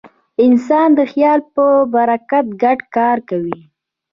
انسان د خیال په برکت ګډ کار کوي.